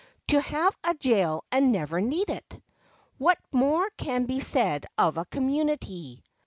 To have a jail and never need it! What more can be said of a community?